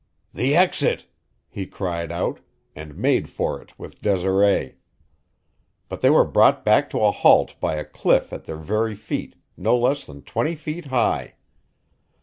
"The exit!" he cried out, and made for it with Desiree. But they were brought to a halt by a cliff at their very feet, no less than twenty feet high.